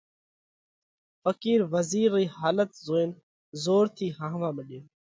ڦقِير وزِير رئِي حالت زوئينَ زور ٿِي هاهوا مڏيو